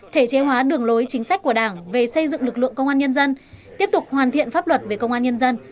thể chế hóa đường lối chính sách của đảng về xây dựng lực lượng công an nhân dân tiếp tục hoàn thiện pháp luật về công an nhân dân